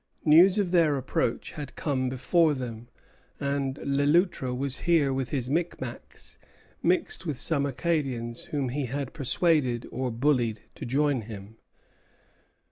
News of their approach had come before them, and Le Loutre was here with his Micmacs, mixed with some Acadians whom he had persuaded or bullied to join him.